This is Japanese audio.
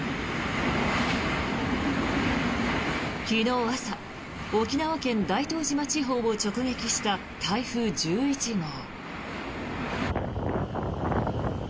昨日朝、沖縄県大東島地方を直撃した台風１１号。